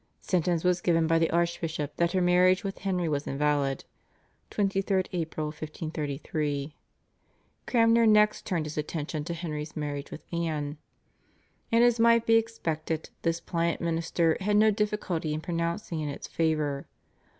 Sentence was given by the archbishop that her marriage with Henry was invalid (23rd April, 1533). Cranmer next turned his attention to Henry's marriage with Anne, and as might be expected, this pliant minister had no difficulty in pronouncing in its favour.